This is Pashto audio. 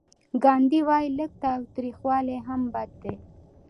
ګاندي وايي لږ تاوتریخوالی هم بد دی.